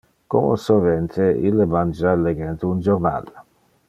Como sovente, ille mangia legente un jornal.